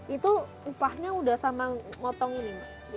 itu upahnya udah sama ngotong ini mak